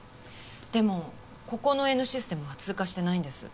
でもここのＮシステムは通過してないんです。